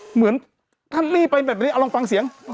เหมือนท่านรีบไปแบบนี้เอาลองฟังเสียง